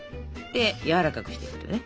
やわらかくしていくのね。